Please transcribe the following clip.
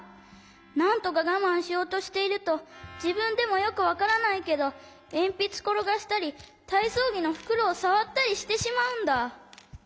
なんとかがまんしようとしているとじぶんでもよくわからないけどえんぴつころがしたりたいそうぎのふくろをさわったりしてしまうんだ。